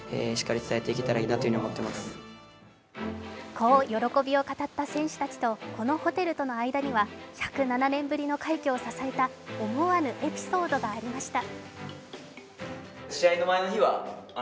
こう喜びを語った選手たちとこのホテルとの間には１０７年ぶりの快挙を支えた思わぬエピソードがありました。